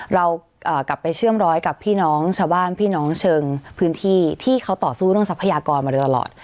เรากลับไปเชื่อมร้อยกับพี่น้องชาวบ้านพี่น้องเชิงพื้นที่ที่เขาต่อสู้เรื่องทรัพยากรมาโดยตลอด